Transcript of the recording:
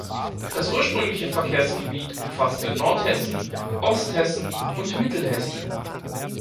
Das ursprüngliche Verkehrsgebiet umfasste Nordhessen, Osthessen und Mittelhessen.